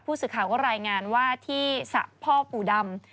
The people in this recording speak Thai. สื่อข่าวก็รายงานว่าที่สระพ่อปู่ดำ